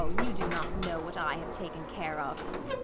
] Oh, you do not know what I have taken care of!